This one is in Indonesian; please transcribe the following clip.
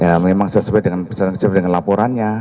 ya ada orang yang melaporkan ya memang sesuai dengan laporannya